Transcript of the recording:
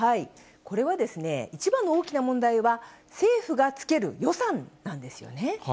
これはですね、一番の大きな問題は、政府がつける予算なんですよね。